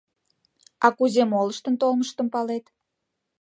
— А кузе молыштын толмыштым палет?